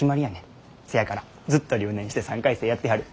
せやからずっと留年して３回生やってはる。